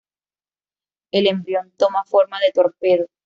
El embrión toma forma de "torpedo".